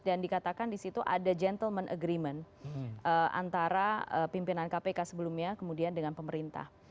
dan dikatakan di situ ada gentleman agreement antara pimpinan kpk sebelumnya kemudian dengan pemerintah